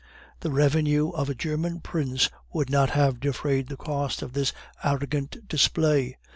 The revenue of a German prince would not have defrayed the cost of this arrogant display.